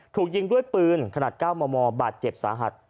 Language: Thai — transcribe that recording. ถูกยิงด้วยปืนขนาด๙มมบาดเจ็บสาหัส